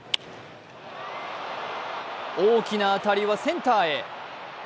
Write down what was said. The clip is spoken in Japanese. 大きな当たりはセンターへ。